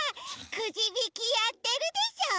くじびきやってるでしょ。